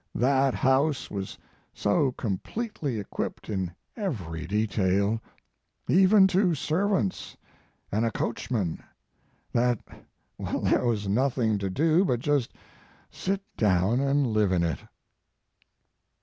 That house was so completely equipped in every detail even to ser vants and a coachman that there was nothing to do but just sit down and live in it."